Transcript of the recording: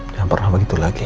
jangan pernah begitu lagi